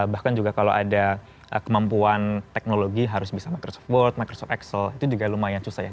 bahkan juga kalau ada kemampuan teknologi harus bisa microsoft board microsoft excel itu juga lumayan susah ya